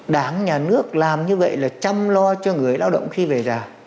đảng nhà nước làm như vậy là chăm lo cho người lao động khi về già